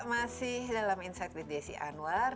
iya masih dalam insight btc anwar